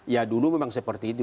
ya dulu memang seperti ini